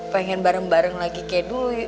pengen bareng bareng lagi kayak duit